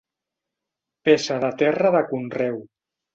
Peça de terra de conreu.